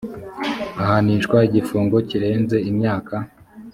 ahanishwa igifungo kirenze imyaka